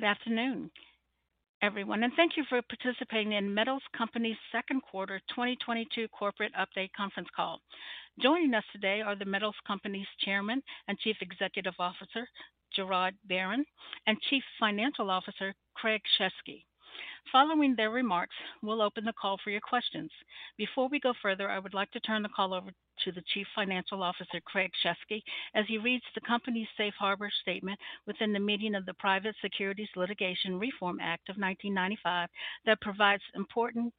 Good afternoon, everyone, and thank you for participating in The Metals Company's Q2 2022 corporate update conference call. Joining us today are The Metals Company's Chairman and CEO, Gerard Barron, and CFO, Craig Shesky. Following their remarks, we'll open the call for your questions. Before we go further, I would like to turn the call over to the CFO, Craig Shesky, as he reads the company's safe harbor statement within the meaning of the Private Securities Litigation Reform Act of 1995 that provides important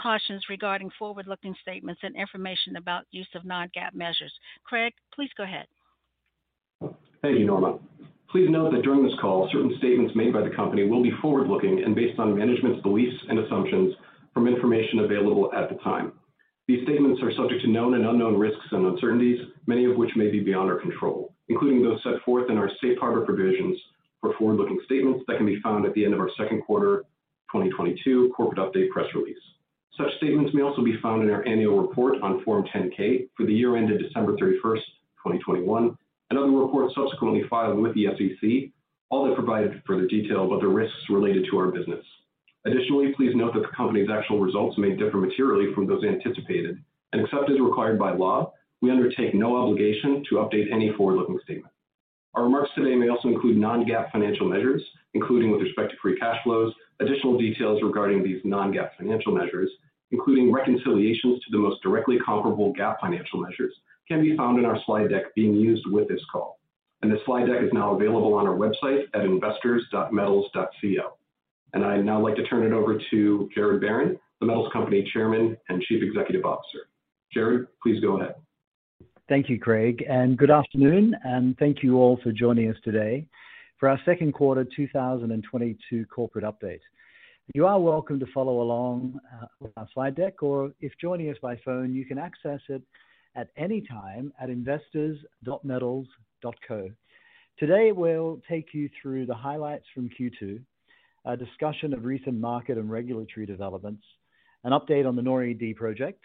cautions regarding forward-looking statements and information about use of non-GAAP measures. Craig, please go ahead. Thank you, Norma. Please note that during this call, certain statements made by the company will be forward-looking and based on management's beliefs and assumptions from information available at the time. These statements are subject to known and unknown risks and uncertainties, many of which may be beyond our control, including those set forth in our safe harbor provisions for forward-looking statements that can be found at the end of our Q2 2022 corporate update press release. Such statements may also be found in our annual report on Form 10-K for the year ended December 31, 2021, and other reports subsequently filed with the SEC. All that provided further detail about the risks related to our business. Additionally, please note that the company's actual results may differ materially from those anticipated, and except as required by law, we undertake no obligation to update any forward-looking statement. Our remarks today may also include non-GAAP financial measures, including with respect to free cash flows. Additional details regarding these non-GAAP financial measures, including reconciliations to the most directly comparable GAAP financial measures, can be found in our slide deck being used with this call. This slide deck is now available on our website at investors.metals.co. I'd now like to turn it over to Gerard Barron, The Metals Company Chairman and CEO. Gerard, please go ahead. Thank you, Craig, and good afternoon, and thank you all for joining us today for our Q2 2022 corporate update. You are welcome to follow along with our slide deck, or if joining us by phone, you can access it at any time at investors.metals.co. Today, we'll take you through the highlights from Q2, a discussion of recent market and regulatory developments, an update on the NORI-D project,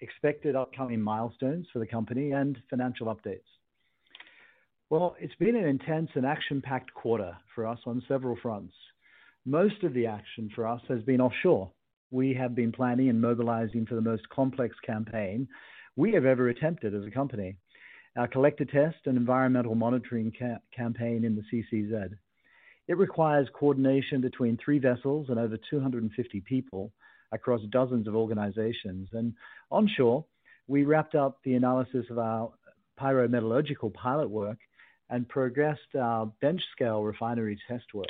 expected upcoming milestones for the company, and financial updates. Well, it's been an intense and action-packed quarter for us on several fronts. Most of the action for us has been offshore. We have been planning and mobilizing for the most complex campaign we have ever attempted as a company. Our collector test and environmental monitoring campaign in the CCZ. It requires coordination between three vessels and over 250 people across dozens of organizations. Onshore, we wrapped up the analysis of our pyrometallurgical pilot work and progressed our bench scale refinery test work.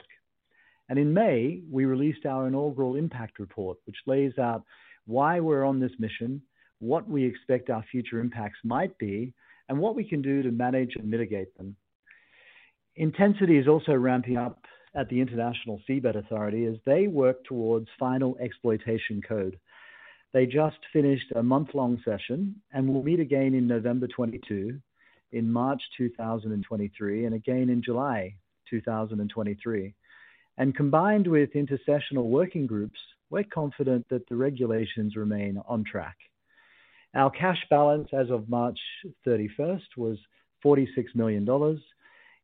In May, we released our inaugural impact report, which lays out why we're on this mission, what we expect our future impacts might be, and what we can do to manage and mitigate them. Intensity is also ramping up at the International Seabed Authority as they work towards final exploitation code. They just finished a month-long session and will meet again in November 2022, in March 2023, and again in July 2023. Combined with intersessional working groups, we're confident that the regulations remain on track. Our cash balance as of March 31 was $46 million.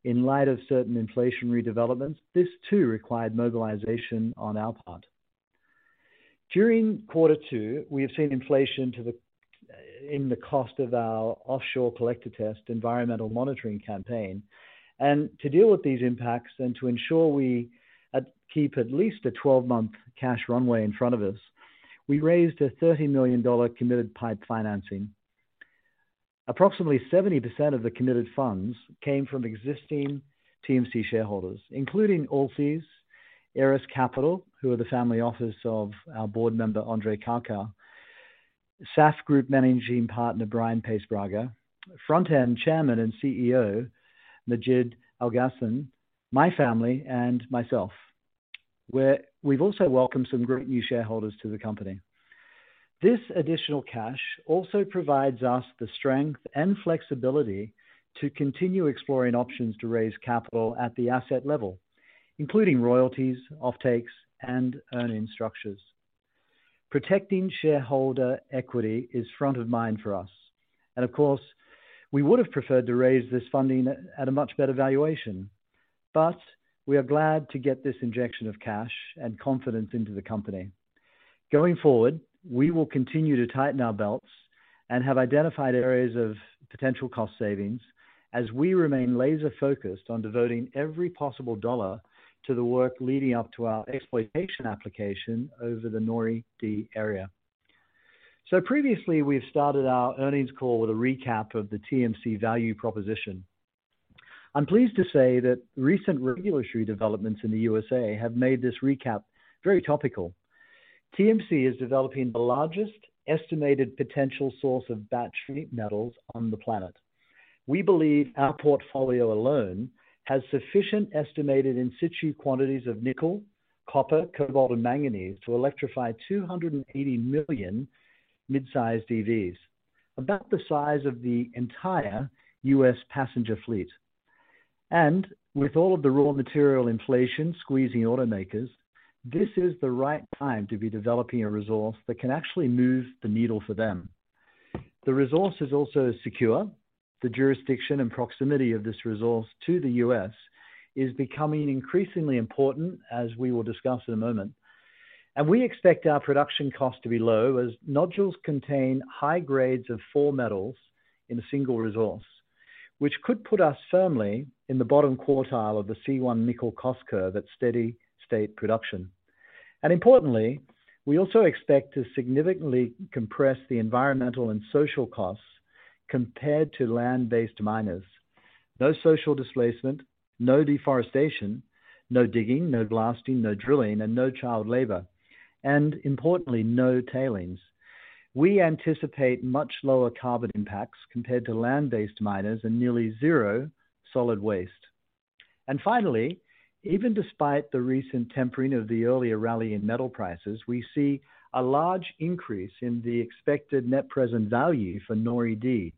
In light of certain inflationary developments, this too required mobilization on our part. During Q2, we have seen inflation in the cost of our offshore collector test environmental monitoring campaign. To deal with these impacts and to ensure we keep at least a 12-month cash runway in front of us, we raised a $30 million committed PIPE financing. Approximately 70% of the committed funds came from existing TMC shareholders, including Allseas, Eras Capital, who are the family office of our board member, Andrei Karkar, SAF Group Managing Partner, Brian Paes-Braga, Front End Chairman and CEO, Majid Alghaslan, my family, and myself. We've also welcomed some great new shareholders to the company. This additional cash also provides us the strength and flexibility to continue exploring options to raise capital at the asset level, including royalties, offtakes, and earn-in structures. Protecting shareholder equity is front of mind for us. Of course, we would have preferred to raise this funding at a much better valuation. We are glad to get this injection of cash and confidence into the company. Going forward, we will continue to tighten our belts and have identified areas of potential cost savings as we remain laser-focused on devoting every possible dollar to the work leading up to our exploitation application over the NORI-D area. Previously, we've started our earnings call with a recap of the TMC value proposition. I'm pleased to say that recent regulatory developments in the USA have made this recap very topical. TMC is developing the largest estimated potential source of battery metals on the planet. We believe our portfolio alone has sufficient estimated in-situ quantities of nickel, copper, cobalt, and manganese to electrify 280 million mid-sized EVs, about the size of the entire U.S. passenger fleet. With all of the raw material inflation squeezing automakers, this is the right time to be developing a resource that can actually move the needle for them. The resource is also secure. The jurisdiction and proximity of this resource to the U.S. is becoming increasingly important, as we will discuss in a moment. We expect our production cost to be low as nodules contain high grades of four metals in a single resource, which could put us firmly in the bottom quartile of the C1 nickel cost curve at steady state production. Importantly, we also expect to significantly compress the environmental and social costs compared to land-based miners. No social displacement, no deforestation, no digging, no blasting, no drilling, and no child labor, and importantly, no tailings. We anticipate much lower carbon impacts compared to land-based miners and nearly zero solid waste. Finally, even despite the recent tempering of the earlier rally in metal prices, we see a large increase in the expected net present value for NORI-D,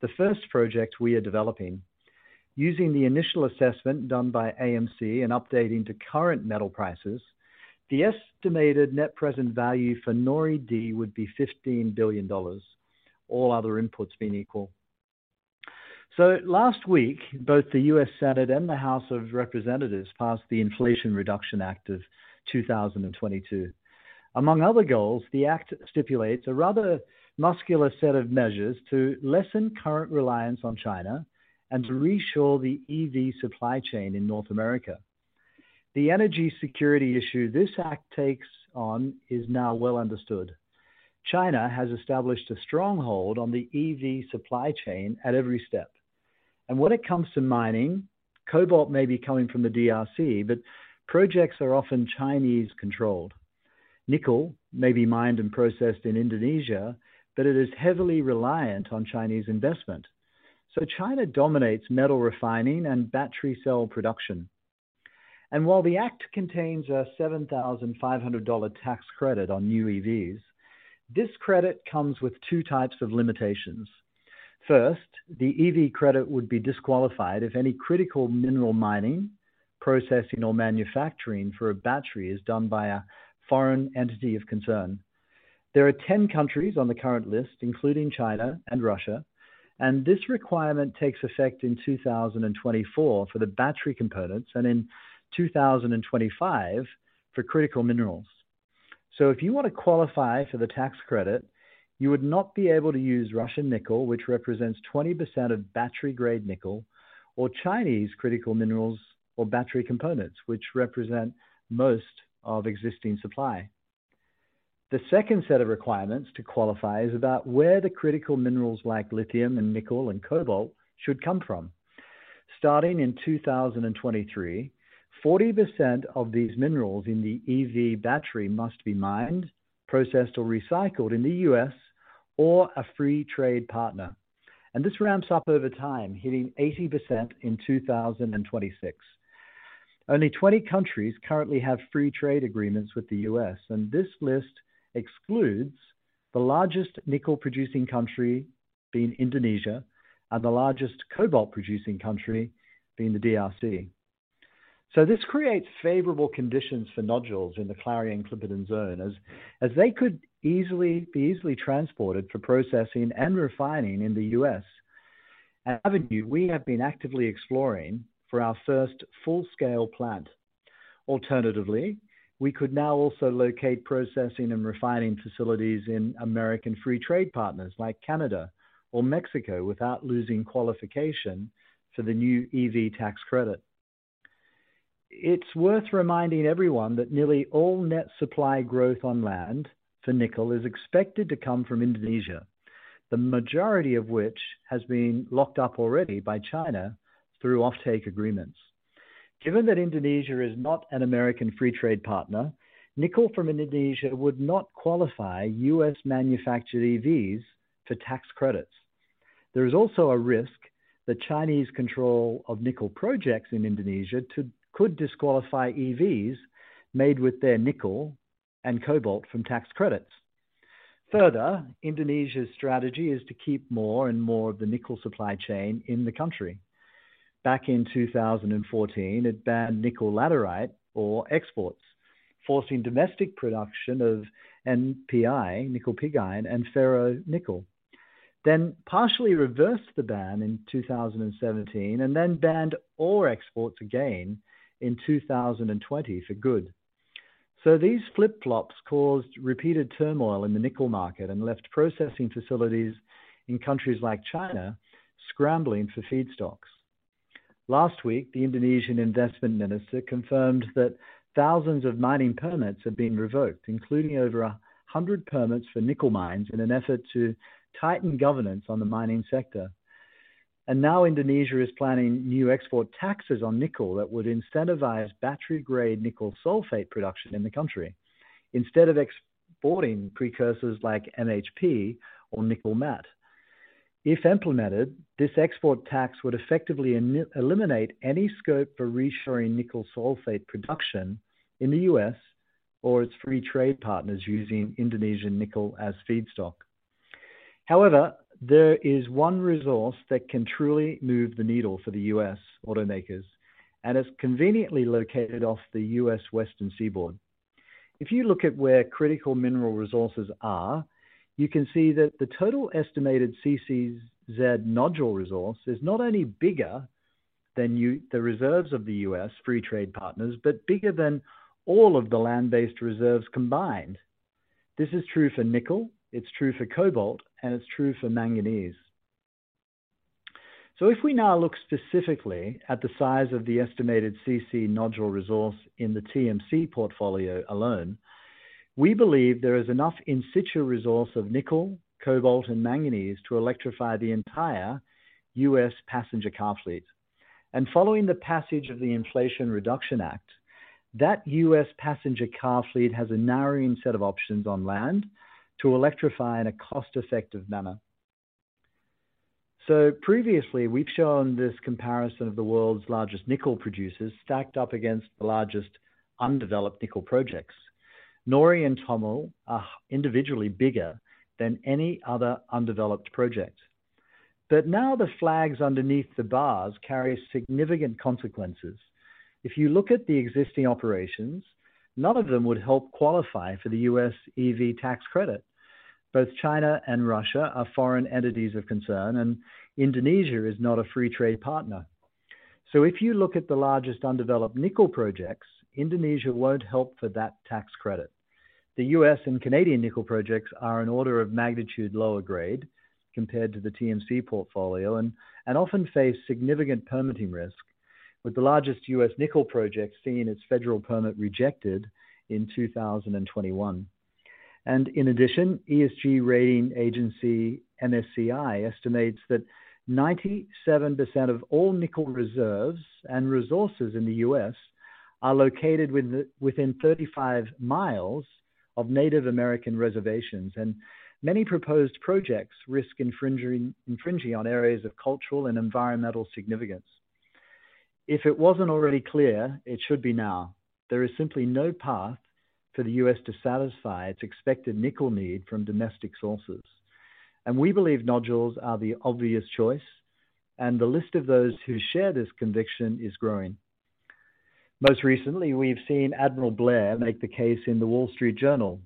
the first project we are developing. Using the initial assessment done by AMC and updating to current metal prices, the estimated net present value for NORI-D would be $15 billion, all other inputs being equal. Last week, both the U.S. Senate and the House of Representatives passed the Inflation Reduction Act of 2022. Among other goals, the act stipulates a rather muscular set of measures to lessen current reliance on China and to reshore the EV supply chain in North America. The energy security issue this act takes on is now well understood. China has established a stronghold on the EV supply chain at every step. When it comes to mining, cobalt may be coming from the DRC, but projects are often Chinese controlled. Nickel may be mined and processed in Indonesia, but it is heavily reliant on Chinese investment. China dominates metal refining and battery cell production. While the act contains a $7,500 tax credit on new EVs, this credit comes with two types of limitations. First, the EV credit would be disqualified if any critical mineral mining, processing, or manufacturing for a battery is done by a foreign entity of concern. There are 10 countries on the current list, including China and Russia, and this requirement takes effect in 2024 for the battery components and in 2025 for critical minerals. If you want to qualify for the tax credit, you would not be able to use Russian nickel, which represents 20% of battery-grade nickel or Chinese critical minerals or battery components, which represent most of existing supply. The second set of requirements to qualify is about where the critical minerals like lithium and nickel and cobalt should come from. Starting in 2023, 40% of these minerals in the EV battery must be mined, processed, or recycled in the U.S. or a free trade partner. This ramps up over time, hitting 80% in 2026. Only 20 countries currently have free trade agreements with the U.S., and this list excludes the largest nickel-producing country being Indonesia and the largest cobalt-producing country being the DRC. This creates favorable conditions for nodules in the Clarion-Clipperton Zone as they could easily be transported for processing and refining in the U.S. An avenue we have been actively exploring for our first full-scale plant. Alternatively, we could now also locate processing and refining facilities in American free trade partners like Canada or Mexico without losing qualification for the new EV tax credit. It's worth reminding everyone that nearly all net supply growth on land for nickel is expected to come from Indonesia, the majority of which has been locked up already by China through offtake agreements. Given that Indonesia is not an American free trade partner, nickel from Indonesia would not qualify U.S. manufactured EVs for tax credits. There is also a risk that Chinese control of nickel projects in Indonesia could disqualify EVs made with their nickel and cobalt from tax credits. Further, Indonesia's strategy is to keep more and more of the nickel supply chain in the country. Back in 2014, it banned nickel laterite ore exports, forcing domestic production of NPI, nickel pig iron, and ferronickel. Then partially reversed the ban in 2017, and then banned ore exports again in 2020 for good. These flip-flops caused repeated turmoil in the nickel market and left processing facilities in countries like China scrambling for feedstocks. Last week, the Indonesian Investment Minister confirmed that thousands of mining permits had been revoked, including over 100 permits for nickel mines, in an effort to tighten governance on the mining sector. Now Indonesia is planning new export taxes on nickel that would incentivize battery-grade nickel sulfate production in the country instead of exporting precursors like MHP or nickel matte. If implemented, this export tax would effectively eliminate any scope for reshoring nickel sulfate production in the U.S. or its free trade partners using Indonesian nickel as feedstock. However, there is one resource that can truly move the needle for the U.S. automakers and is conveniently located off the U.S. western seaboard. If you look at where critical mineral resources are, you can see that the total estimated CCZ nodule resource is not only bigger than the reserves of the U.S. free trade partners, but bigger than all of the land-based reserves combined. This is true for nickel, it's true for cobalt, and it's true for manganese. If we now look specifically at the size of the estimated CCZ nodule resource in the TMC portfolio alone, we believe there is enough in situ resource of nickel, cobalt, and manganese to electrify the entire U.S. passenger car fleet. Following the passage of the Inflation Reduction Act, that U.S. passenger car fleet has a narrowing set of options on land to electrify in a cost-effective manner. Previously, we've shown this comparison of the world's largest nickel producers stacked up against the largest undeveloped nickel projects. NORI and TOML are individually bigger than any other undeveloped project. Now the flags underneath the bars carry significant consequences. If you look at the existing operations, none of them would help qualify for the US EV tax credit. Both China and Russia are foreign entities of concern, and Indonesia is not a free trade partner. If you look at the largest undeveloped nickel projects, Indonesia won't help for that tax credit. The US and Canadian nickel projects are an order of magnitude lower grade compared to the TMC portfolio and often face significant permitting risk, with the largest US nickel project seeing its federal permit rejected in 2021. In addition, ESG rating agency MSCI estimates that 97% of all nickel reserves and resources in the U.S. are located within 35 miles of Native American reservations, and many proposed projects risk infringing on areas of cultural and environmental significance. If it wasn't already clear, it should be now. There is simply no path for the U.S. to satisfy its expected nickel need from domestic sources. We believe nodules are the obvious choice, and the list of those who share this conviction is growing. Most recently, we've seen Admiral Blair make the case in The Wall Street Journal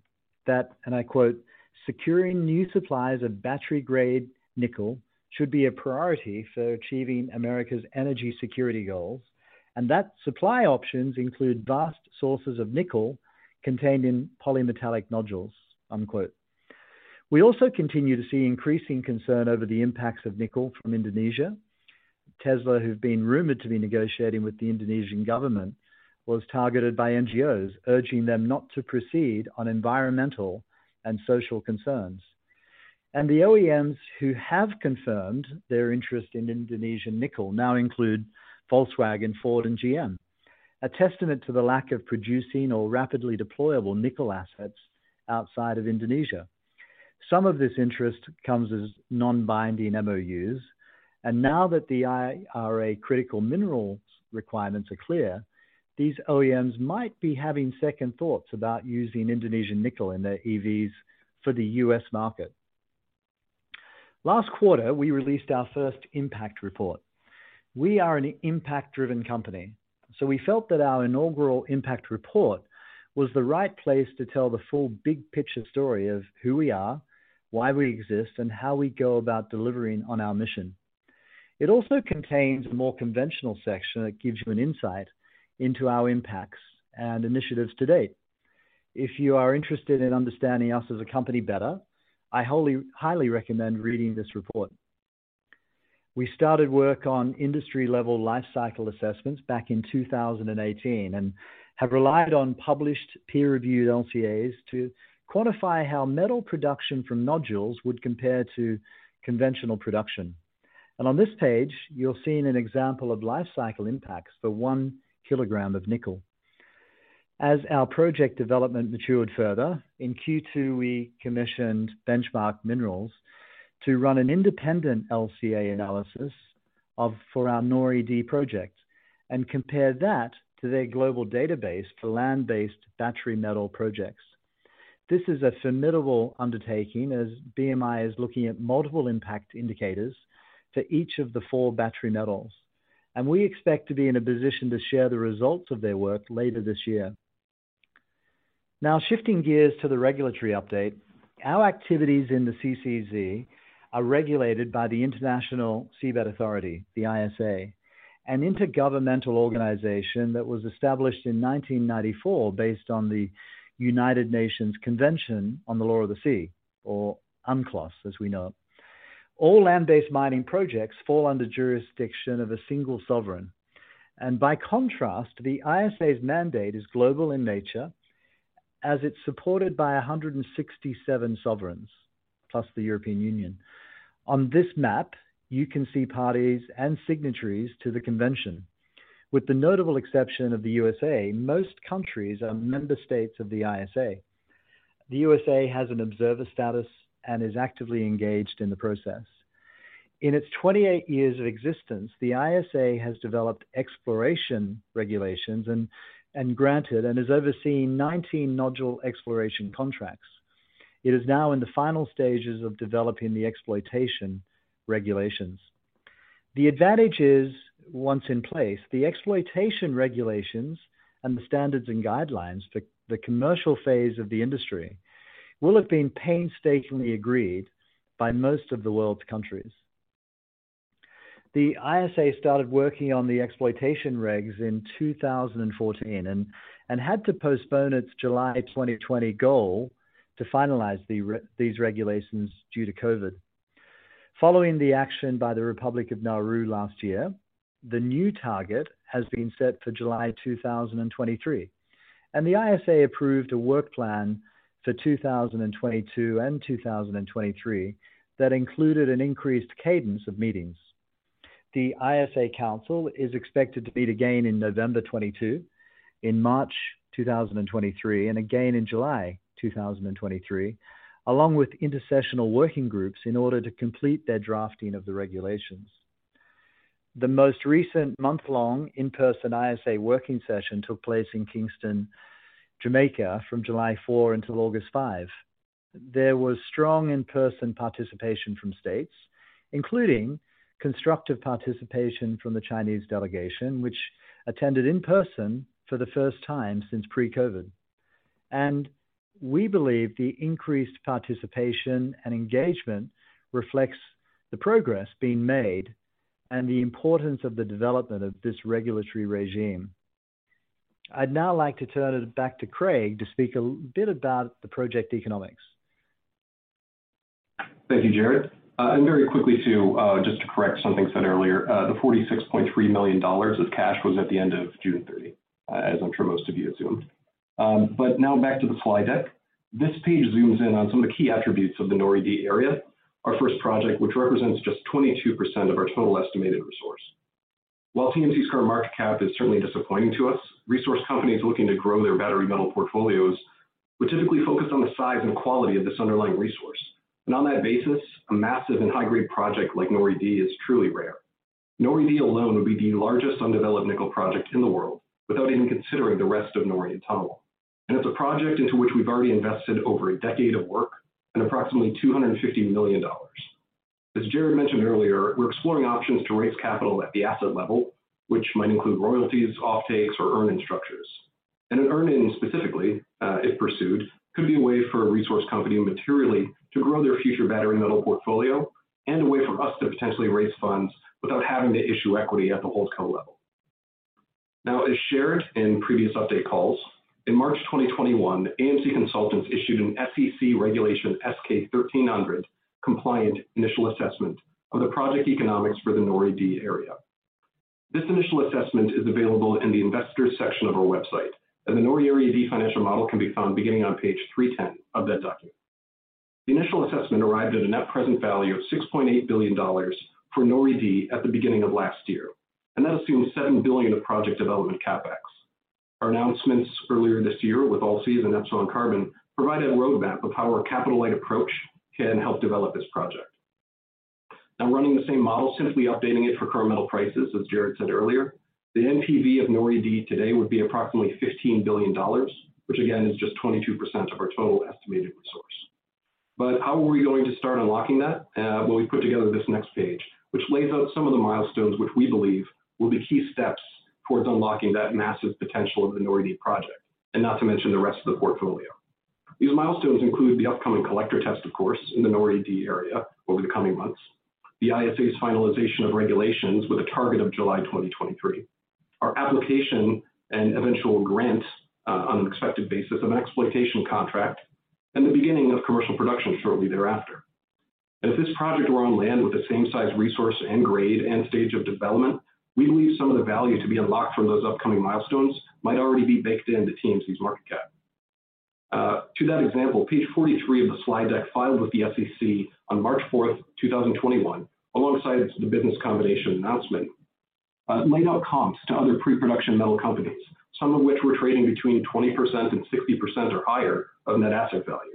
that, and I quote, "Securing new supplies of battery-grade nickel should be a priority for achieving America's energy security goals, and that supply options include vast sources of nickel contained in polymetallic nodules." Unquote. We also continue to see increasing concern over the impacts of nickel from Indonesia. Tesla, who's been rumored to be negotiating with the Indonesian government, was targeted by NGOs urging them not to proceed on environmental and social concerns. The OEMs who have confirmed their interest in Indonesian nickel now include Volkswagen, Ford, and GM, a testament to the lack of producing or rapidly deployable nickel assets outside of Indonesia. Some of this interest comes as non-binding MOUs, and now that the IRA critical minerals requirements are clear, these OEMs might be having second thoughts about using Indonesian nickel in their EVs for the U.S. market. Last quarter, we released our first impact report. We are an impact-driven company, so we felt that our inaugural impact report was the right place to tell the full big picture story of who we are, why we exist, and how we go about delivering on our mission. It also contains a more conventional section that gives you an insight into our impacts and initiatives to date. If you are interested in understanding us as a company better, I highly recommend reading this report. We started work on industry-level life cycle assessments back in 2018 and have relied on published peer-reviewed LCAs to quantify how metal production from nodules would compare to conventional production. On this page, you'll see an example of life cycle impacts for one kilogram of nickel. As our project development matured further, in Q2, we commissioned Benchmark Mineral Intelligence to run an independent LCA analysis of for our NORI-D project and compared that to their global database for land-based battery metal projects. This is a formidable undertaking, as BMI is looking at multiple impact indicators for each of the four battery metals, and we expect to be in a position to share the results of their work later this year. Now shifting gears to the regulatory update. Our activities in the CCZ are regulated by the International Seabed Authority, the ISA, an intergovernmental organization that was established in 1994 based on the United Nations Convention on the Law of the Sea, or UNCLOS, as we know it. All land-based mining projects fall under jurisdiction of a single sovereign, and by contrast, the ISA's mandate is global in nature as it's supported by 167 sovereigns, plus the European Union. On this map, you can see parties and signatories to the convention. With the notable exception of the USA, most countries are member states of the ISA. The USA has an observer status and is actively engaged in the process. In its 28 years of existence, the ISA has developed exploration regulations and granted and has overseen 19 nodule exploration contracts. It is now in the final stages of developing the exploitation regulations. The advantage is, once in place, the exploitation regulations and the standards and guidelines for the commercial phase of the industry will have been painstakingly agreed by most of the world's countries. The ISA started working on the exploitation regs in 2014, and had to postpone its July 2020 goal to finalize these regulations due to COVID. Following the action by the Republic of Nauru last year, the new target has been set for July 2023. The ISA council is expected to meet again in November 2022, in March 2023, and again in July 2023, along with intersessional working groups in order to complete their drafting of the regulations. The most recent month-long in-person ISA working session took place in Kingston, Jamaica from July 4 until August 5. There was strong in-person participation from states, including constructive participation from the Chinese delegation, which attended in person for the first time since pre-COVID. We believe the increased participation and engagement reflects the progress being made and the importance of the development of this regulatory regime. I'd now like to turn it back to Craig to speak a bit about the project economics. Thank you, Gerard. Very quickly, too, just to correct something said earlier, the $46.3 million of cash was at the end of June 30, as I'm sure most of you assumed. Now back to the slide deck. This page zooms in on some of the key attributes of the NORI-D area, our first project, which represents just 22% of our total estimated resource. While TMC's current market cap is certainly disappointing to us, resource companies looking to grow their battery metal portfolios would typically focus on the size and quality of this underlying resource. On that basis, a massive and high-grade project like NORI-D is truly rare. NORI-D alone would be the largest undeveloped nickel project in the world, without even considering the rest of NORI and TOML. It's a project into which we've already invested over a decade of work and approximately $250 million. As Gerard mentioned earlier, we're exploring options to raise capital at the asset level, which might include royalties, offtakes, or earn-in structures. An earn-in specifically, if pursued, could be a way for a resource company materially to grow their future battery metal portfolio and a way for us to potentially raise funds without having to issue equity at the holdco level. Now, as shared in previous update calls, in March 2021, AMC Consultants issued an SEC Regulation SK 1300 compliant initial assessment of the project economics for the NORI-D area. This initial assessment is available in the investors section of our website, and the NORI-D financial model can be found beginning on page 310 of that document. The initial assessment arrived at a net present value of $6.8 billion for NORI-D at the beginning of last year. That assumes $7 billion of project development CapEx. Our announcements earlier this year with Allseas and Epsilon Carbon provide a roadmap of how our capital-light approach can help develop this project. Now, running the same model, simply updating it for current metal prices, as Gerard Barron said earlier, the NPV of NORI-D today would be approximately $15 billion, which again, is just 22% of our total estimated resource. How are we going to start unlocking that? Well, we've put together this next page, which lays out some of the milestones which we believe will be key steps towards unlocking that massive potential of the NORI-D project, and not to mention the rest of the portfolio. These milestones include the upcoming collector test, of course, in the NORI-D area over the coming months, the ISA's finalization of regulations with a target of July 2023. Our application and eventual grant, on an expected basis, of an exploitation contract and the beginning of commercial production shortly thereafter. If this project were on land with the same size, resource, and grade and stage of development, we believe some of the value to be unlocked from those upcoming milestones might already be baked into TMC's market cap. To that example, page 43 of the slide deck filed with the SEC on March 4, 2021, alongside the business combination announcement, laid out comps to other pre-production metal companies, some of which were trading between 20% and 60% or higher of net asset value.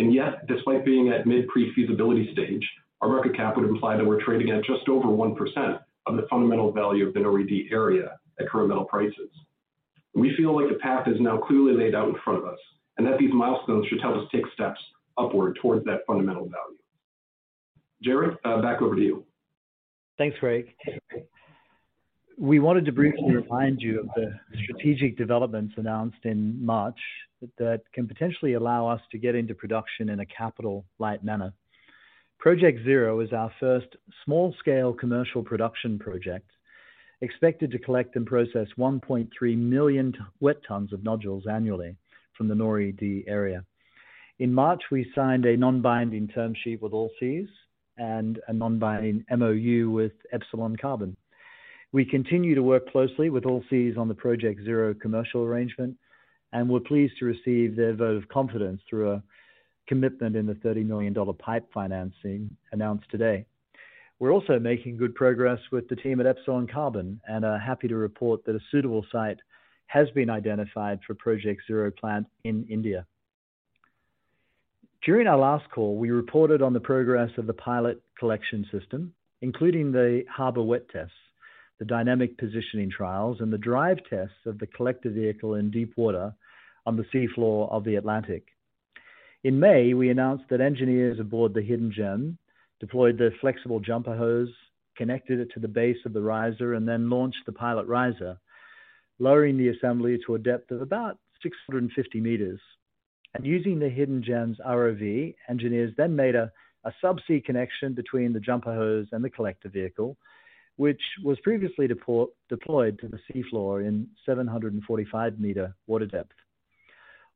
Yet, despite being at mid pre-feasibility stage, our market cap would imply that we're trading at just over 1% of the fundamental value of the NORI-D area at current metal prices. We feel like the path is now clearly laid out in front of us, and that these milestones should help us take steps upward towards that fundamental value. Gerard, back over to you. Thanks, Craig. We wanted to briefly remind you of the strategic developments announced in March that can potentially allow us to get into production in a capital light manner. Project Zero is our first small scale commercial production project expected to collect and process 1.3 million wet tons of nodules annually from the NORI Area D. In March, we signed a non-binding term sheet with Allseas and a non-binding MOU with Epsilon Carbon. We continue to work closely with Allseas on the Project Zero commercial arrangement, and we're pleased to receive their vote of confidence through a commitment in the $30 million PIPE financing announced today. We're also making good progress with the team at Epsilon Carbon and are happy to report that a suitable site has been identified for Project Zero plant in India. During our last call, we reported on the progress of the pilot collection system, including the harbor wet tests, the dynamic positioning trials, and the drive tests of the collector vehicle in deep water on the sea floor of the Atlantic. In May, we announced that engineers aboard the Hidden Gem deployed the flexible jumper hose, connected it to the base of the riser, and then launched the pilot riser, lowering the assembly to a depth of about 650 meters. Using the Hidden Gem's ROV, engineers then made a sub-sea connection between the jumper hose and the collector vehicle, which was previously deployed to the sea floor in 745-meter water depth.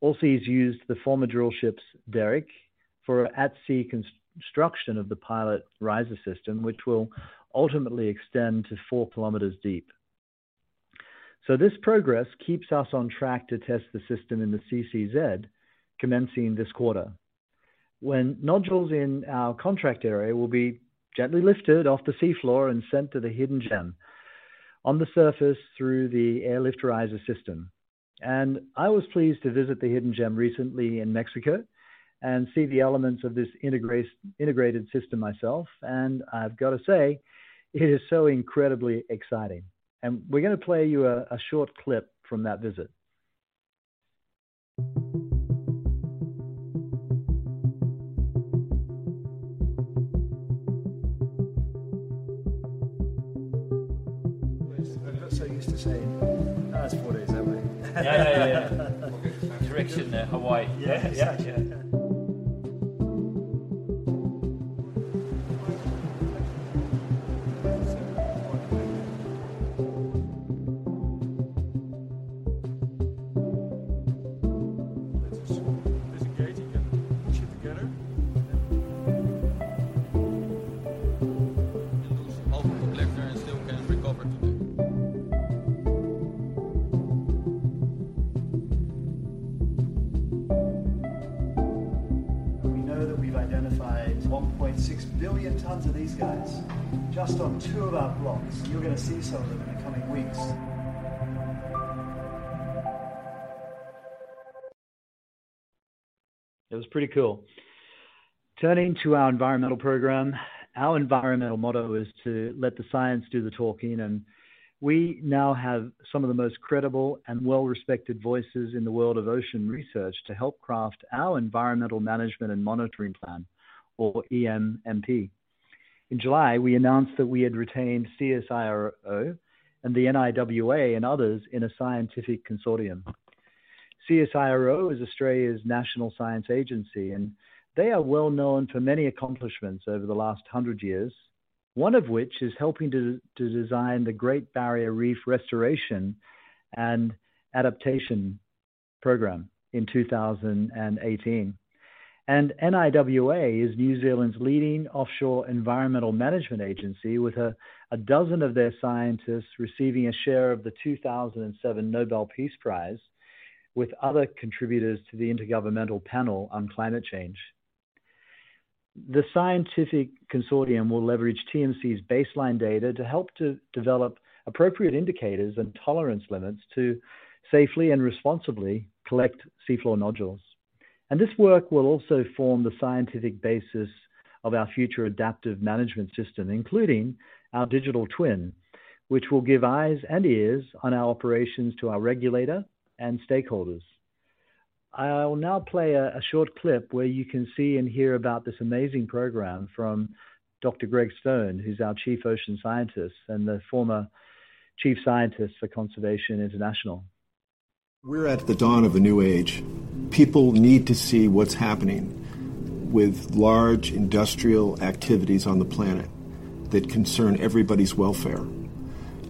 Allseas used the former drillship's derrick for at-sea construction of the pilot riser system, which will ultimately extend to 4 kilometers deep. This progress keeps us on track to test the system in the CCZ commencing this quarter. When nodules in our contract area will be gently lifted off the sea floor and sent to the Hidden Gem on the surface through the airlift riser system. I was pleased to visit the Hidden Gem recently in Mexico and see the elements of this integrated system myself, and I've got to say, it is so incredibly exciting. We're gonna play you a short clip from that visit. We're not so used to seeing. That's what it is, aren't we? Yeah. Direction Hawaii. Yeah. Yeah. Yeah. This is disengaging and push it together. Lose half of the collector and still can recover today. We know that we've identified 1.6 billion tons of these guys just on two of our blocks. You're gonna see some of them in the coming weeks. It was pretty cool. Turning to our environmental program. Our environmental motto is to let the science do the talking, and we now have some of the most credible and well-respected voices in the world of ocean research to help craft our environmental management and monitoring plan, or EMMP. In July, we announced that we had retained CSIRO and the NIWA and others in a scientific consortium. CSIRO is Australia's national science agency, and they are well-known for many accomplishments over the last 100 years. One of which is helping to design the Great Barrier Reef Restoration and Adaptation Program in 2018. NIWA is New Zealand's leading offshore environmental management agency with a dozen of their scientists receiving a share of the 2007 Nobel Peace Prize with other contributors to the Intergovernmental Panel on Climate Change. The scientific consortium will leverage TMC's baseline data to help to develop appropriate indicators and tolerance limits to safely and responsibly collect seafloor nodules. This work will also form the scientific basis of our future adaptive management system, including our digital twin, which will give eyes and ears on our operations to our regulator and stakeholders. I will now play a short clip where you can see and hear about this amazing program from Dr. Greg Stone, who's our chief ocean scientist and the former chief scientist for Conservation International. We're at the dawn of a new age. People need to see what's happening with large industrial activities on the planet that concern everybody's welfare.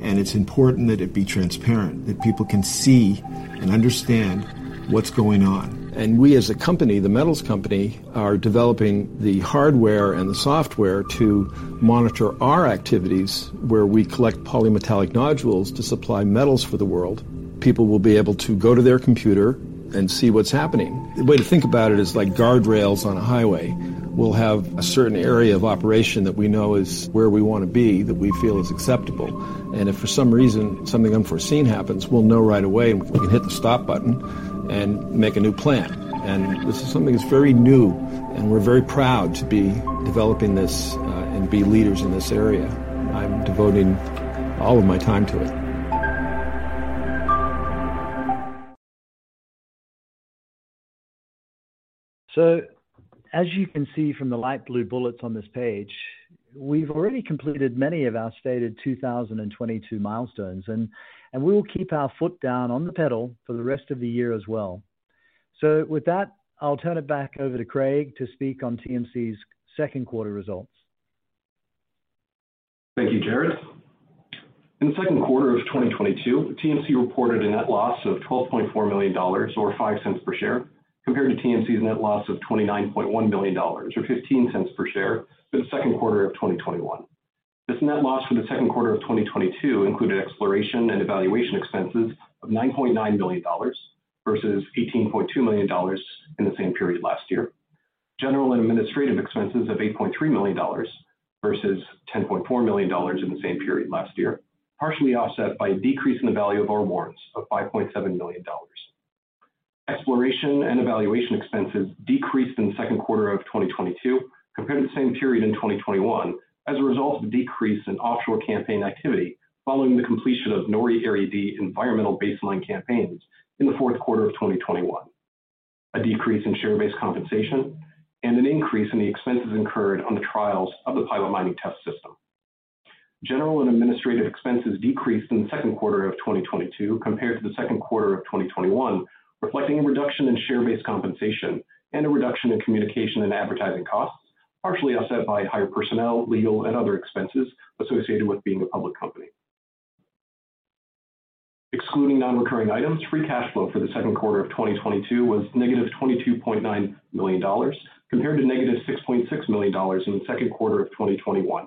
It's important that it be transparent, that people can see and understand what's going on. We as a company, The Metals Company, are developing the hardware and the software to monitor our activities where we collect polymetallic nodules to supply metals for the world. People will be able to go to their computer and see what's happening. The way to think about it is like guardrails on a highway. We'll have a certain area of operation that we know is where we wanna be, that we feel is acceptable. If for some reason something unforeseen happens, we'll know right away, and we can hit the stop button and make a new plan. This is something that's very new, and we're very proud to be developing this, and be leaders in this area. I'm devoting all of my time to it. As you can see from the light blue bullets on this page, we've already completed many of our stated 2022 milestones and we will keep our foot down on the pedal for the rest of the year as well. With that, I'll turn it back over to Craig to speak on TMC's Q2 results. Thank you, Gerard Barron. In the Q2 of 2022, TMC reported a net loss of $12.4 million or $0.05 per share, compared to TMC's net loss of $29.1 million or $0.15 per share in the Q2 of 2021. This net loss for the Q2 of 2022 included exploration and evaluation expenses of $9.9 million versus $18.2 million in the same period last year. General and administrative expenses of $8.3 million versus $10.4 million in the same period last year, partially offset by a decrease in the value of our warrants of $5.7 million. Exploration and evaluation expenses decreased in the Q2 of 2022 compared to the same period in 2021 as a result of decrease in offshore campaign activity following the completion of NORI Area D environmental baseline campaigns in the Q4 of 2021. A decrease in share-based compensation and an increase in the expenses incurred on the trials of the pilot mining test system. General and administrative expenses decreased in the Q2 of 2022 compared to the Q2 of 2021, reflecting a reduction in share-based compensation and a reduction in communication and advertising costs, partially offset by higher personnel, legal and other expenses associated with being a public company. Excluding non-recurring items, free cash flow for the Q2 of 2022 was negative $22.9 million compared to negative $6.6 million in the Q2 of 2021.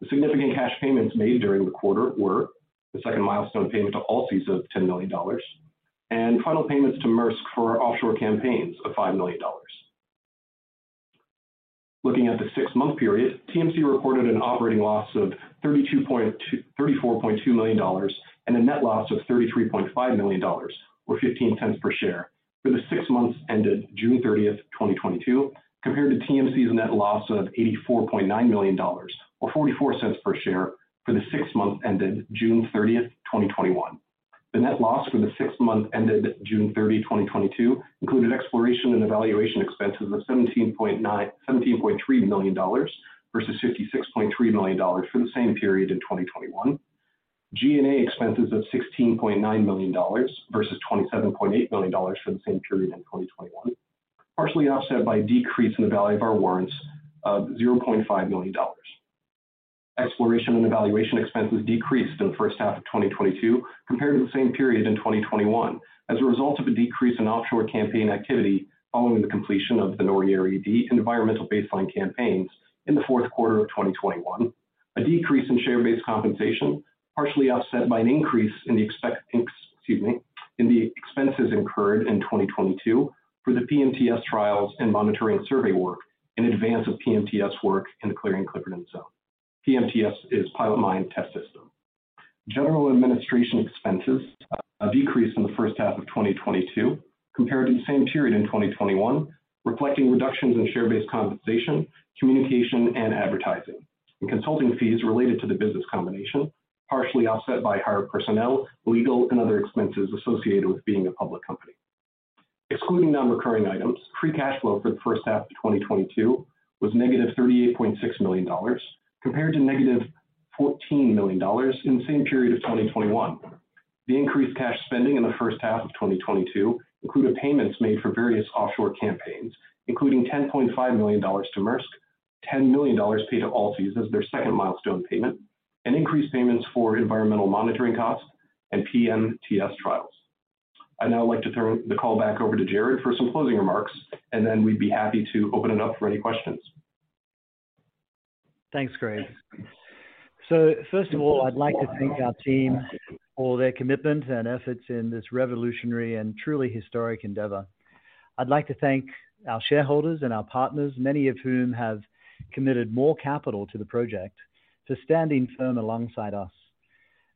The significant cash payments made during the quarter were the second milestone payment to Allseas of $10 million and final payments to Maersk for our offshore campaigns of $5 million. Looking at the six-month period, TMC reported an operating loss of $34.2 million and a net loss of $33.5 million or $0.15 per share for the six months ended June 30, 2022, compared to TMC's net loss of $84.9 million or $0.44 per share for the six months ended June 30, 2021. The net loss for the six months ended June 30, 2022 included exploration and evaluation expenses of $17.3 million versus $56.3 million for the same period in 2021. G&A expenses of $16.9 million versus $27.8 million for the same period in 2021, partially offset by decrease in the value of our warrants of $0.5 million. Exploration and evaluation expenses decreased in the first half of 2022 compared to the same period in 2021 as a result of a decrease in offshore campaign activity following the completion of the NORI-D environmental baseline campaigns in the Q4 of 2021. A decrease in share-based compensation, partially offset by an increase in the expenses incurred in 2022 for the PMTS trials and monitoring survey work in advance of PMTS work in the Clarion-Clipperton Zone. PMTS is pilot mining test system. General administration expenses decreased in the first half of 2022 compared to the same period in 2021, reflecting reductions in share-based compensation, communication and advertising, and consulting fees related to the business combination, partially offset by higher personnel, legal and other expenses associated with being a public company. Excluding non-recurring items, free cash flow for the first half of 2022 was -$38.6 million compared to -$14 million in the same period of 2021. The increased cash spending in the first half of 2022 included payments made for various offshore campaigns, including $10.5 million to Maersk, $10 million paid to Allseas as their second milestone payment, and increased payments for environmental monitoring costs and PMTS trials. I'd now like to throw the call back over to Gerard Barron for some closing remarks, and then we'd be happy to open it up for any questions. Thanks, Greg. First of all, I'd like to thank our team for their commitment and efforts in this revolutionary and truly historic endeavor. I'd like to thank our shareholders and our partners, many of whom have committed more capital to the project, for standing firm alongside us.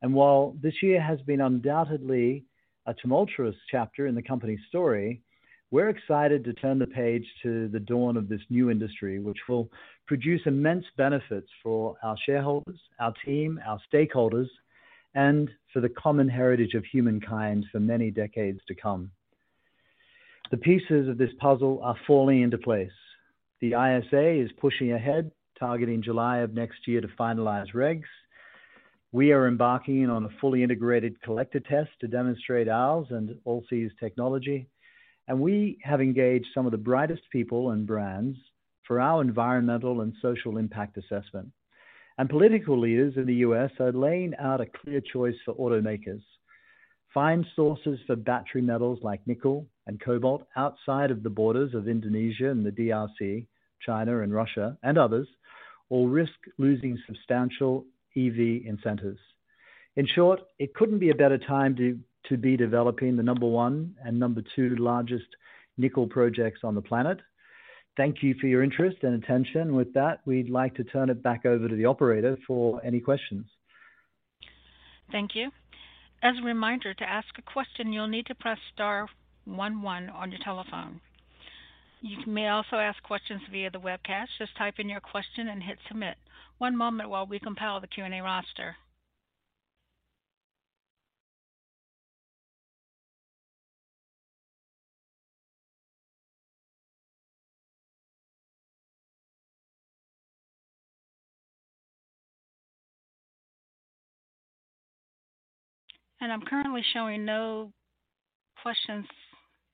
While this year has been undoubtedly a tumultuous chapter in the company's story, we're excited to turn the page to the dawn of this new industry, which will produce immense benefits for our shareholders, our team, our stakeholders, and for the common heritage of humankind for many decades to come. The pieces of this puzzle are falling into place. The ISA is pushing ahead, targeting July of next year to finalize regs. We are embarking on a fully integrated collector test to demonstrate ours and Allseas's technology. We have engaged some of the brightest people and brands for our environmental and social impact assessment. Political leaders in the U.S. are laying out a clear choice for automakers. Find sources for battery metals like nickel and cobalt outside of the borders of Indonesia and the DRC, China and Russia and others, or risk losing substantial EV incentives. In short, it couldn't be a better time to be developing the number one and number two largest nickel projects on the planet. Thank you for your interest and attention. With that, we'd like to turn it back over to the operator for any questions. Thank you. As a reminder, to ask a question, you'll need to press star one one on your telephone. You may also ask questions via the webcast. Just type in your question and hit submit. One moment while we compile the Q&A roster. I'm currently showing no questions,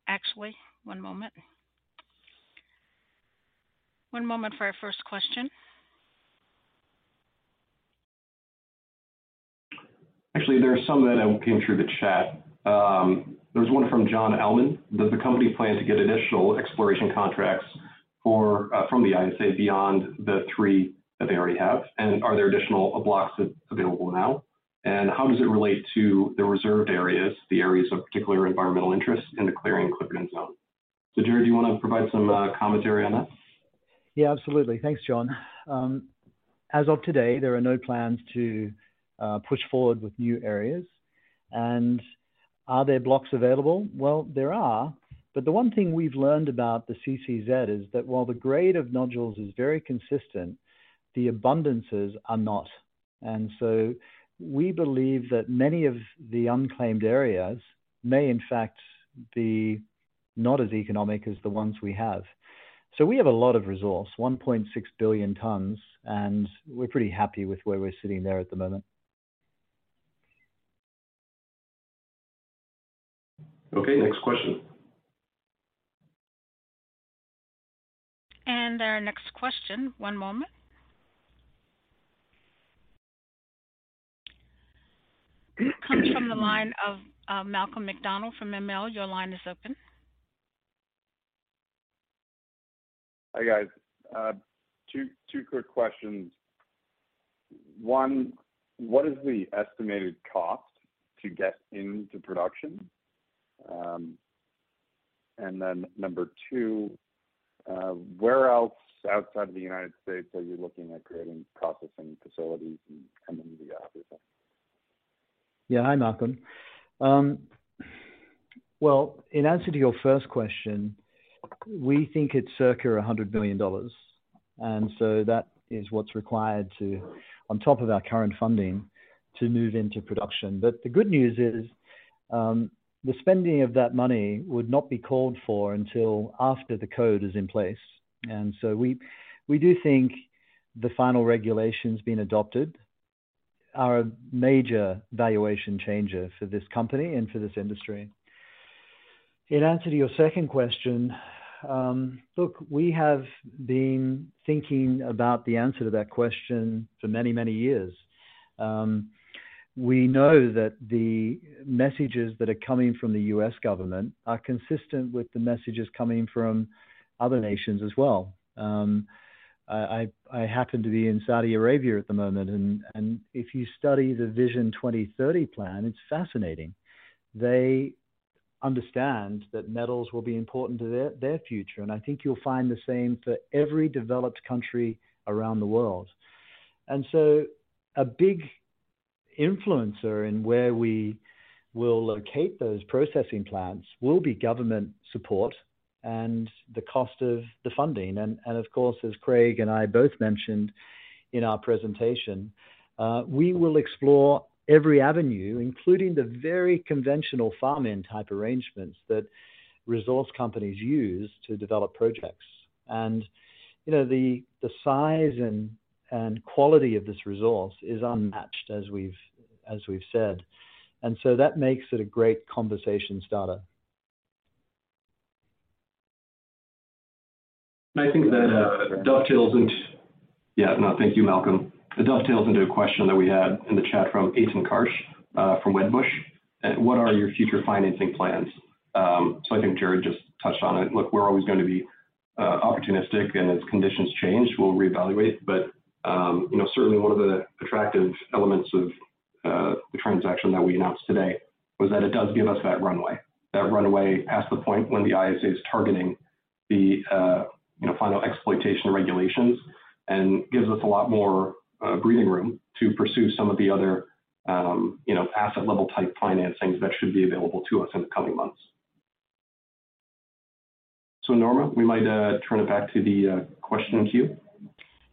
actually. One moment. One moment for our first question. Actually, there are some that came through the chat. There was one from John Allman. Does the company plan to get additional exploration contracts from the ISA beyond the three that they already have? And are there additional blocks available now? And how does it relate to the reserved areas, the areas of particular environmental interest in the Clarion-Clipperton Zone? Gerard, do you want to provide some commentary on that? Yeah, absolutely. Thanks, John. As of today, there are no plans to push forward with new areas. Are there blocks available? Well, there are. The one thing we've learned about the CCZ is that while the grade of nodules is very consistent, the abundances are not. We believe that many of the unclaimed areas may in fact be not as economic as the ones we have. We have a lot of resource, 1.6 billion tons, and we're pretty happy with where we're sitting there at the moment. Okay, next question. Our next question. One moment. Comes from the line of Malcolm MacDonald from Merrill Lynch. Your line is open. Hi, guys. Two quick questions. One, what is the estimated cost to get into production? Number two, where else outside of the United States are you looking at creating processing facilities and coming to the? Yeah. Hi, Malcolm. In answer to your first question, we think it's circa $100 billion. That is what's required to, on top of our current funding, to move into production. The good news is, the spending of that money would not be called for until after the code is in place. We do think the final regulations being adopted are a major valuation changer for this company and for this industry. In answer to your second question, look, we have been thinking about the answer to that question for many, many years. We know that the messages that are coming from the U.S. government are consistent with the messages coming from other nations as well. I happen to be in Saudi Arabia at the moment, and if you study the Vision 2030 plan, it's fascinating. They understand that metals will be important to their future, and I think you'll find the same for every developed country around the world. A big influencer in where we will locate those processing plants will be government support and the cost of the funding. Of course, as Craig and I both mentioned in our presentation, we will explore every avenue, including the very conventional farm-in type arrangements that resource companies use to develop projects. You know, the size and quality of this resource is unmatched, as we've said. That makes it a great conversation starter. I think that dovetails into. No, thank you, Malcolm. It dovetails into a question that we had in the chat from Eitan Karsch from Wedbush. What are your future financing plans? I think Gerard just touched on it. Look, we're always gonna be opportunistic, and as conditions change, we'll reevaluate. You know, certainly one of the attractive elements of the transaction that we announced today was that it does give us that runway. That runway past the point when the ISA is targeting the final exploitation regulations and gives us a lot more breathing room to pursue some of the other asset-level type financings that should be available to us in the coming months. Norma, we might turn it back to the question queue.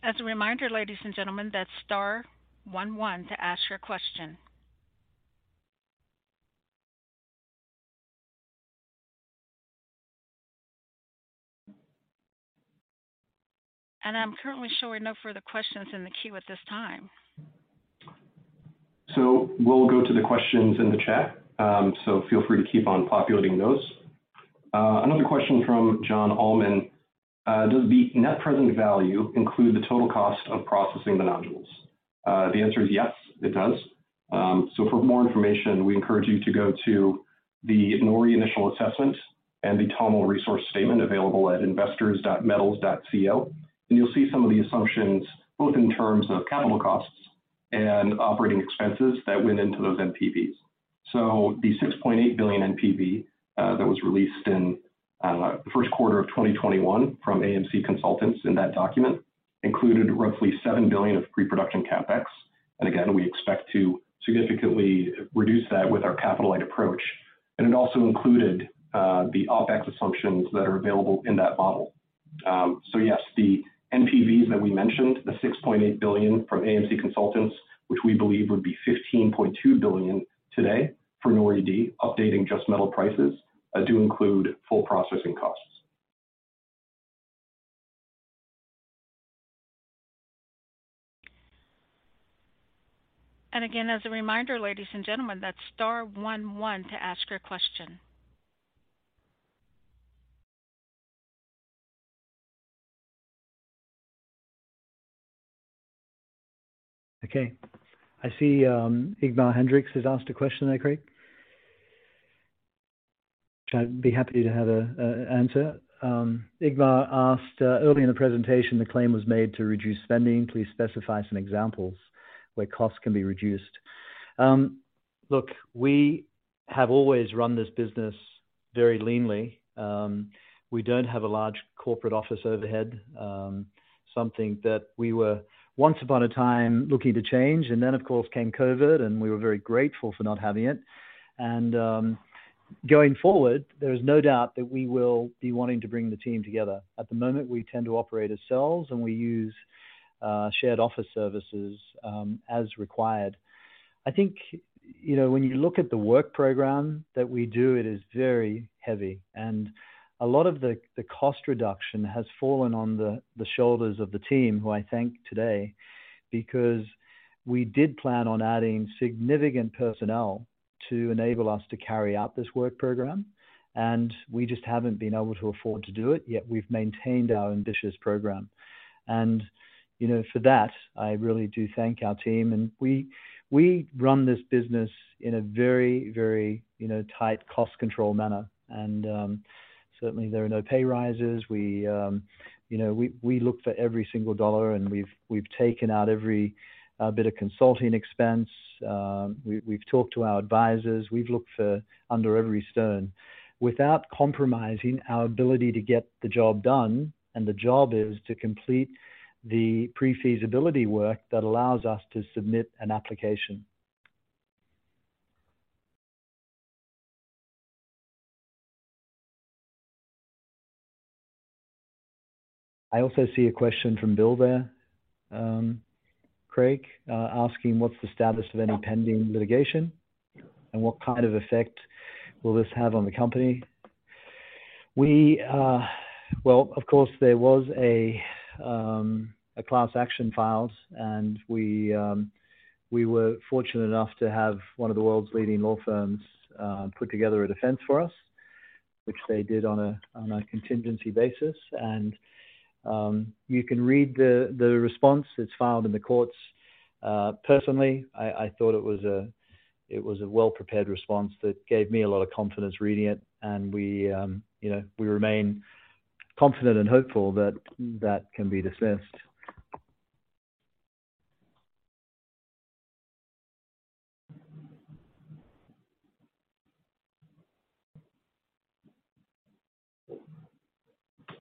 As a reminder, ladies and gentlemen, that's star one one to ask your question. I'm currently showing no further questions in the queue at this time. We'll go to the questions in the chat. Feel free to keep on populating those. Another question from John Allman. Does the net present value include the total cost of processing the nodules? The answer is yes, it does. For more information, we encourage you to go to the NORI initial assessment and the TOML resource statement available at investors.metals.co. You'll see some of the assumptions, both in terms of capital costs and operating expenses that went into those NPVs. The $6.8 billion NPV that was released in the Q1 of 2021 from AMC Consultants in that document included roughly $7 billion of pre-production CapEx. Again, we expect to significantly reduce that with our capital-light approach. It also included the OpEx assumptions that are available in that model. Yes, the NPVs that we mentioned, the $6.8 billion from AMC Consultants, which we believe would be $15.2 billion today for NORI-D, updating just metal prices, do include full processing costs. As a reminder, ladies and gentlemen, that's star one one to ask your question. Okay. I see, Ingmar Hendrix has asked a question there, Craig. Which I'd be happy to have an answer. Ingmar asked, early in the presentation, the claim was made to reduce spending. Please specify some examples where costs can be reduced. Look, we have always run this business very leanly. We don't have a large corporate office overhead. Something that we were once upon a time looking to change. Then, of course, came COVID, and we were very grateful for not having it. Going forward, there is no doubt that we will be wanting to bring the team together. At the moment, we tend to operate as cells, and we use shared office services as required. I think, you know, when you look at the work program that we do, it is very heavy. A lot of the cost reduction has fallen on the shoulders of the team, who I thank today, because we did plan on adding significant personnel to enable us to carry out this work program, and we just haven't been able to afford to do it, yet we've maintained our ambitious program. You know, for that, I really do thank our team. We run this business in a very, you know, tight cost control manner. Certainly there are no pay raises. You know, we look for every single dollar, and we've taken out every bit of consulting expense. We've talked to our advisors. We've looked under every stone without compromising our ability to get the job done, and the job is to complete the pre-feasibility work that allows us to submit an application. I also see a question from Bill there, Craig, asking what's the status of any pending litigation, and what kind of effect will this have on the company. Well, of course, there was a class action filed, and we were fortunate enough to have one of the world's leading law firms put together a defense for us, which they did on a contingency basis. You can read the response. It's filed in the courts. Personally, I thought it was a well-prepared response that gave me a lot of confidence reading it. We, you know, remain confident and hopeful that that can be dismissed.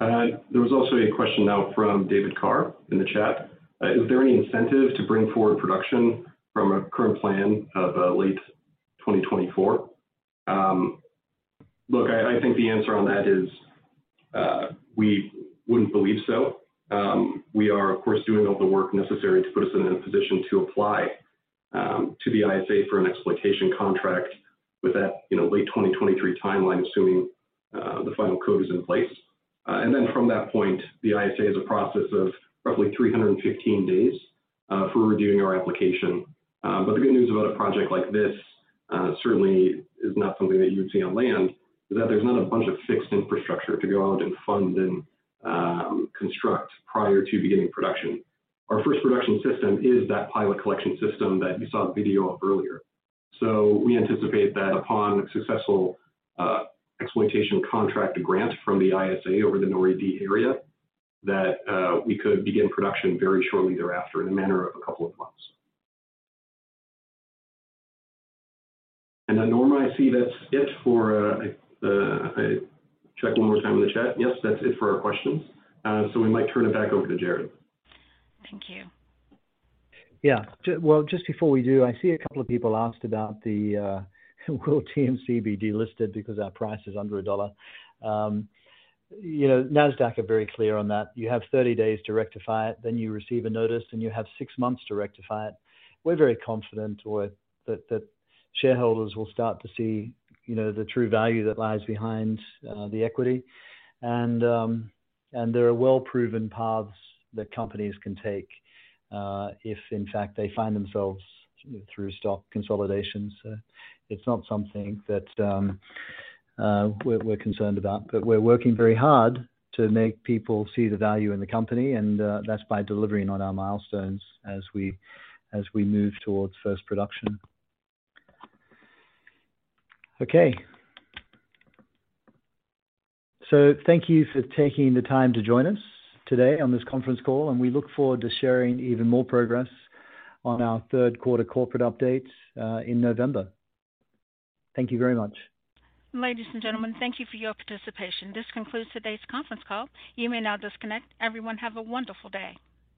There was also a question now from David Carr in the chat. Is there any incentive to bring forward production from a current plan of late 2024? Look, I think the answer on that is, we wouldn't believe so. We are of course doing all the work necessary to put us in a position to apply to the ISA for an exploitation contract with that, you know, late 2023 timeline, assuming the final code is in place. Then from that point, the ISA is a process of roughly 315 days for reviewing our application. The good news about a project like this certainly is not something that you would see on land, is that there's not a bunch of fixed infrastructure to go out and fund and construct prior to beginning production. Our first production system is that pilot collection system that you saw the video of earlier. We anticipate that upon successful exploitation contract grant from the ISA over the NORI-D area, that we could begin production very shortly thereafter in a matter of a couple of months. Norma, I see that's it for. I check one more time in the chat. Yes, that's it for our questions. We might turn it back over to Gerard. Thank you. Yeah. Well, just before we do, I see a couple of people asked about will TMC be delisted because our price is under $1. You know, Nasdaq are very clear on that. You have 30 days to rectify it, then you receive a notice, and you have 6 months to rectify it. We're very confident that shareholders will start to see, you know, the true value that lies behind the equity. There are well-proven paths that companies can take if in fact they find themselves through stock consolidations. It's not something that we're concerned about. We're working very hard to make people see the value in the company, and that's by delivering on our milestones as we move towards first production. Okay. Thank you for taking the time to join us today on this conference call, and we look forward to sharing even more progress on our Q3 corporate update, in November. Thank you very much. Ladies and gentlemen, thank you for your participation. This concludes today's conference call. You may now disconnect. Everyone, have a wonderful day.